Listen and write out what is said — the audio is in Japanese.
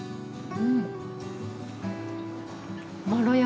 うん。